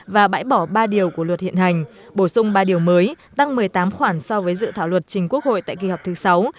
và bãi bỏ ba điều của luật hiện hành bổ sung ba điều mới tăng một mươi tám khoản so với dự thảo luật trình quốc hội tại kỳ họp thứ sáu